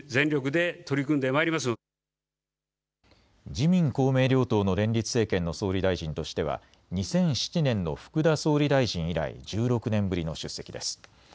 自民公明両党の連立政権の総理大臣としては２００７年の福田総理大臣以来、１６年ぶりの出席です。